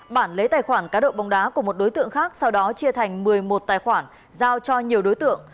bản lấy tài khoản cá độ bóng đá của một đối tượng khác sau đó chia thành một mươi một tài khoản giao cho nhiều đối tượng